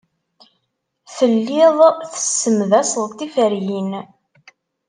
Telliḍ tessemdaseḍ tiferyin.